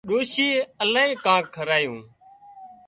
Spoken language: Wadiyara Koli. ڏوشيئي الاهي ڪانيئن کورايون